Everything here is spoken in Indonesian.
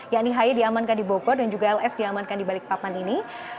yakni haye diamankan di boko dan juga ls diamankan di balik papan ini